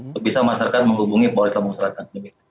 untuk bisa masyarakat menghubungi polis lampau selatan